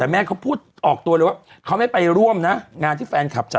เบรกค่ะพี่เบรกค่ะ